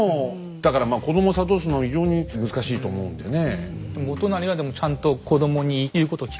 だからまあ子どもを諭すの非常に難しいと思うんでね。